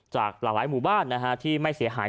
จากหลายหมู่บ้านที่ไม่เสียหายเข้าไปช่วยช่วยส้อมแซมบ้าน